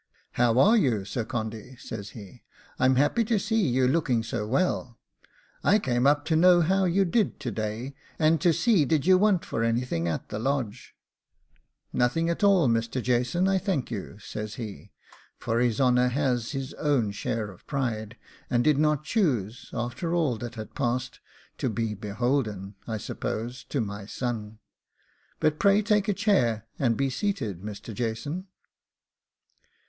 'How are you, Sir Condy?' says he; 'I'm happy to see you looking so well; I came up to know how you did to day, and to see did you want for anything at the Lodge?' 'Nothing at all, Mr. Jason, I thank you,' says he; for his honour had his own share of pride, and did not choose, after all that had passed, to be beholden, I suppose, to my son; 'but pray take a chair and be seated, Mr. Jason.